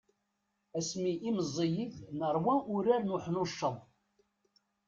Asmi i meẓẓiyit, nerwa urar n uḥnucceḍ.